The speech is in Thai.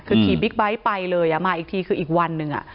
คือขี่บิ๊กไบท์ไปเลยมาอีกทีคืออีกวันหนึ่ง